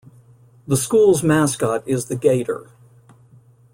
The school's mascot is the Gator.